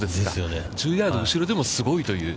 １０ヤード後ろでもすごいという。